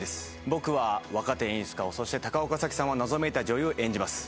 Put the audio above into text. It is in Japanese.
僕は若手演出家をそして高岡早紀さんは謎めいた女優を演じます